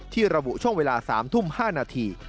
ระบุช่วงเวลา๓ทุ่ม๕นาที